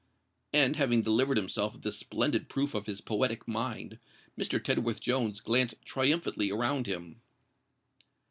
And, having delivered himself of this splendid proof of his poetic mind, Mr. Tedworth Jones glanced triumphantly around him.